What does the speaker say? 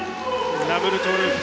ダブルトーループ。